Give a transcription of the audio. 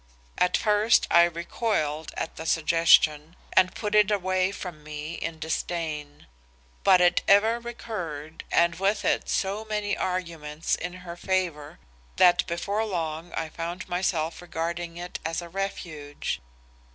At first I recoiled at the suggestion and put it away from me in disdain; but it ever recurred and with it so many arguments in her favor that before long I found myself regarding it as a refuge.